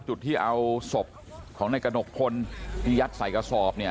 จุดที่เอาศพของในกระหนกพลที่ยัดใส่กระสอบเนี่ย